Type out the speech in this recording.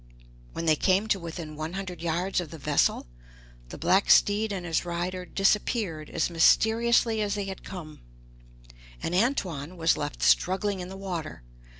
When they came to within one hundred yards of the vessel, the black steed and his rider disappeared as mysteriously as they had come, and Antoine was left struggling in the water.